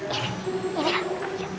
ini ini gak